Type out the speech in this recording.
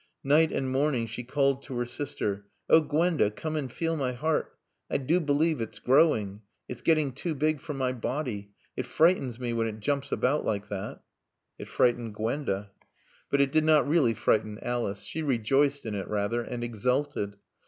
Night and morning she called to her sister: "Oh Gwenda, come and feel my heart. I do believe it's growing. It's getting too big for my body. It frightens me when it jumps about like that." It frightened Gwenda. But it did not really frighten Alice. She rejoiced in it, rather, and exulted.